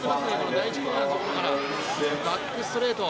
第１コーナーのところからバックストレート。